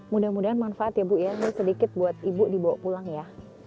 mudah mudahan manfaat ya bu ya ini sedikit buat ibu dibawa pulang ya